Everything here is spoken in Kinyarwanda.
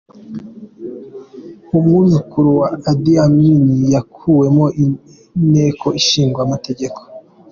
Umwuzukuru wa Idi Amin yakuwe mu nteko ishinga amategeko.